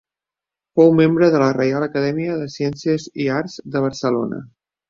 Fou membre de la Reial Acadèmia de Ciències i Arts de Barcelona.